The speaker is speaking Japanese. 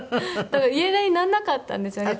だから家出にならなかったんですよね。